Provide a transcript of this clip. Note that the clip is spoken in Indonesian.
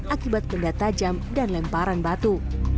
akibat benda tajam dan lemparan batu